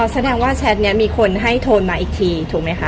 แสดงว่าแชทนี้มีคนให้โทนมาอีกทีถูกไหมคะ